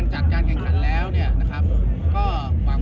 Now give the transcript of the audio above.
หรือในส่วนหนึ่งถูกเรียกความปลอดภัย